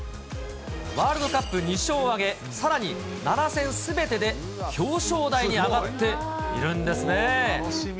ワールドカップ２勝を挙げ、さらに７戦すべてで表彰台に上がっているんですね。